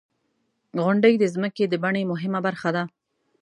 • غونډۍ د ځمکې د بڼې مهمه برخه ده.